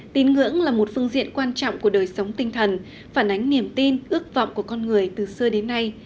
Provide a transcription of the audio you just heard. tín ngưỡng là một phương diện quan trọng của đời sống tinh thần phản ánh niềm tin ước vọng của con người từ xưa đến nay